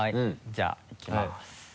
じゃあいきます。